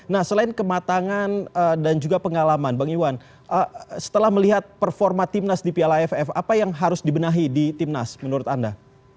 nah selain kematangan dan juga pengalaman bang iwan setelah melihat performa timnas di piala aff apa yang harus dibenahi di timnas menurut anda